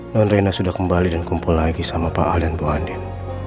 nonrena sudah kembali dan kumpul lagi sama pak ahlen bu andin